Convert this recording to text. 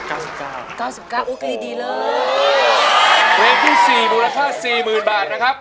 อันนี้มันใจกี่เปอร์เซ็นต์๙๙๙๙โอเคดีเลย๔มูลค่า๔๐๐๐๐บาทนะครับ